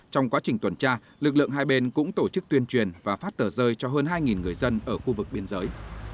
trong quá trình tuần tra lực lượng hai bên cũng tổ chức tuyên truyền và phát tờ rơi cho hơn hai người dân ở khu vực biên giới